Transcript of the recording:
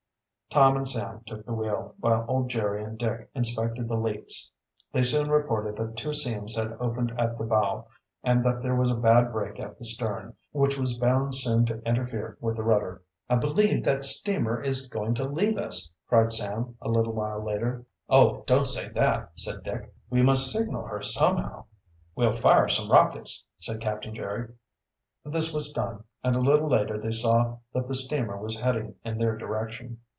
Tom and Sam, took the wheel, while old Jerry and Dick inspected the leaks. They soon reported that two seams had opened at the bow, and that there was a bad break at the stern, which was bound soon to interfere with the rudder. "I believe that steamer is going to leave us!" cried Sam, a little while later. "Oh, don't say that," said Dick. "We must signal her somehow." "We'll fire some rockets," said Captain Jerry. This was done, and a little later they saw that the steamer was heading in their direction.